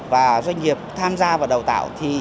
và doanh nghiệp tham gia vào đào tạo